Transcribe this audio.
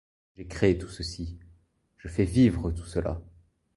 J'ai créé tout ceci, je fais vivre tout cela.